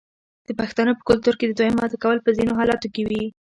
د پښتنو په کلتور کې د دویم واده کول په ځینو حالاتو کې وي.